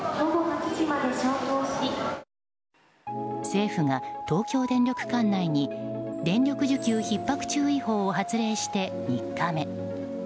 政府が東京電力管内に電力需要ひっ迫注意報を発令して３日目。